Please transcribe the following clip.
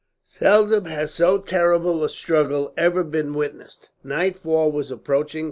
Seldom has so terrible a struggle ever been witnessed. Nightfall was approaching.